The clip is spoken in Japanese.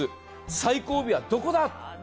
最後尾はどこだ？